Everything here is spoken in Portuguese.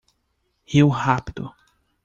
Rio rápido